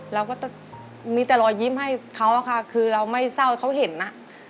เราก็จะมีแต่รอยยิ้มให้เขาค่ะคือเราไม่เศร้าเขาเห็นอ่ะ